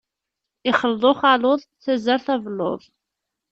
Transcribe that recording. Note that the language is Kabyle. Ixleḍ uxaluḍ, tazart, abelluḍ.